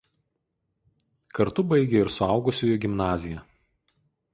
Kartu baigė ir suaugusiųjų gimnaziją.